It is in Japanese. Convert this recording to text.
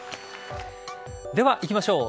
では、いきましょう。